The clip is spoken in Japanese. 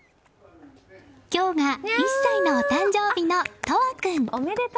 今日が１歳のお誕生日の斗蒼君。